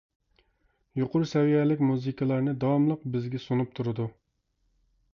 يۇقىرى سەۋىيەلىك مۇزىكىلارنى داۋاملىق بىزگە سۇنۇپ تۇرىدۇ.